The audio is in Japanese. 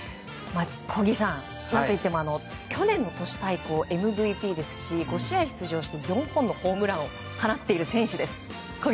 小木さん、何といっても去年の都市対抗ＭＶＰですし５試合出場して４本のホームランを放っている選手です。